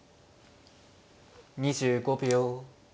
２５秒。